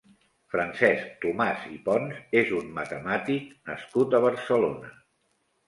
Francesc Tomàs i Pons és un matemàtic nascut a Barcelona.